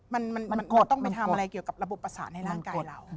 มันควรต้องไปทำอะไรเกี่ยวกับระบบประสานในร่างกายเรา